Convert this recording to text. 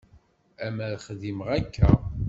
Amer xdimeɣ akka.